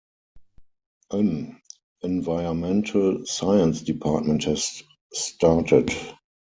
An Environmental Science department has started.